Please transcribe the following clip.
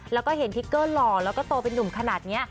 แล้วก็เห็นทิกเกอร์หล่อแล้วก็โตเป็นนุ่มขนาดนี้